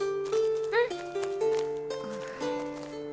うん。